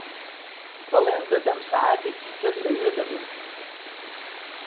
بەڵێن دەدەم سەعاتێکی تر لەوێ دەبم.